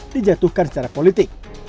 dijatuhkan secara politik